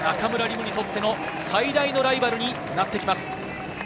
夢にとっての最大のライバルになってきます。